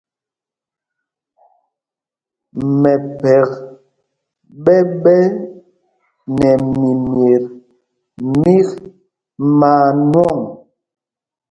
Mɛphɛk ɓɛ ɓɛ́ nɛ mimyet mîk maa nwɔ̂ŋ.